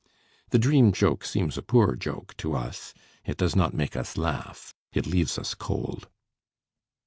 The "dream joke" seems a poor joke to us, it does not make us laugh, it leaves us cold.